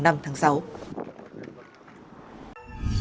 hãy đăng ký kênh để ủng hộ kênh của mình nhé